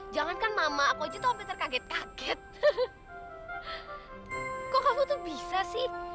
kok kamu tuh bisa sih